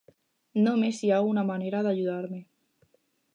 Només hi ha una manera d'ajudar-me.